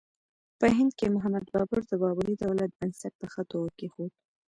په هند کې محمد بابر د بابري دولت بنسټ په ښه توګه کېښود.